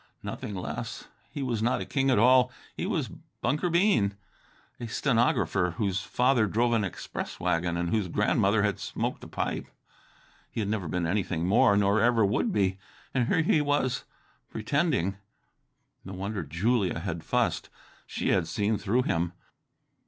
Nothing less. He was not a king at all. He was Bunker Bean, a stenographer, whose father drove an express wagon, and whose grandmother had smoked a pipe. He had never been anything more, nor ever would be. And here he was ... pretending. No wonder Julia had fussed! She had seen through him.